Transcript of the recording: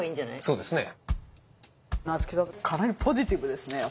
そうですね。